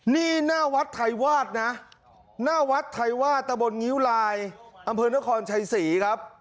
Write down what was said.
นี่หน้าวัดไทยวาดนะหน้าวัดไทยวาดตะบนงิ้วลายอำเภอนครชัยศรีครับ